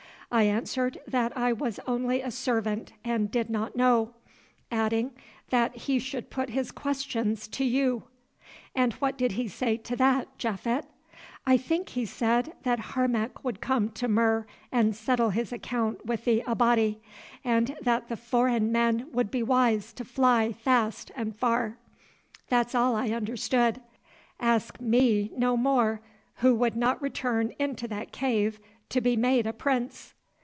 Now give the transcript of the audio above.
I answered that I was only a servant and did not know, adding that he should put his questions to you." "And what did he say to that, Japhet?" "I think he said that Harmac would come to Mur and settle his account with the Abati, and that the foreign men would be wise to fly fast and far. That's all I understood; ask me no more, who would not return into that cave to be made a prince."